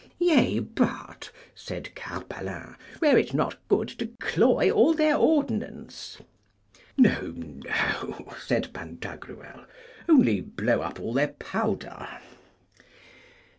Yea but, said Carpalin, were it not good to cloy all their ordnance? No, no, said Pantagruel, only blow up all their powder.